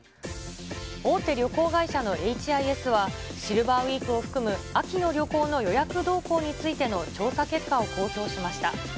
大手旅行会社のＨＩＳは、シルバーウィークを含む秋の旅行の予約動向についての調査結果を公表しました。